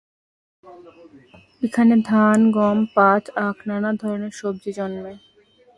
এখানে ধান, গম, পাট, আখ, নানা ধরনের সবজি জন্মে।